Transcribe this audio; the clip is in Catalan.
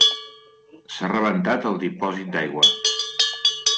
S'ha rebentat el dipòsit d'aigua.